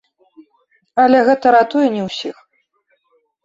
Але гэта ратуе не ўсіх.